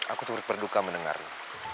aku turut berduka mendengarnya